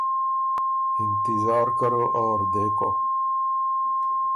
انتظار کرو اور دیکھو